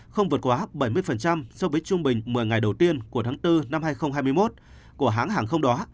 không vượt quá bảy mươi so với trung bình một mươi ngày đầu tiên của tháng bốn năm hai nghìn hai mươi một của hãng hàng không đó